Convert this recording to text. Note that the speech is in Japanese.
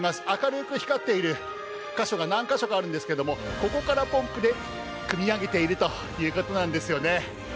明るく光っている箇所が何カ所かあるんですがここからポンプでくみ上げているということなんですよね。